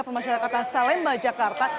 permasyarakatan salemba jakarta